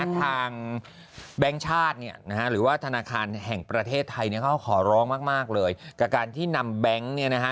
กับการที่นำแบงค์เนี่ยนะคะ